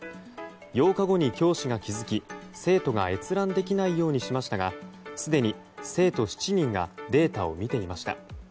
８日後に教師が気付き生徒が閲覧できないようにしましたがすでに生徒７人がデータを見ていました。